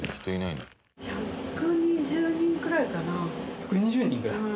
１２０人ぐらい？